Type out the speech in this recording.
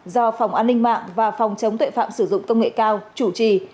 do phòng an ninh mạng và phòng chống tuệ phạm sử dụng công nghệ cao chủ trì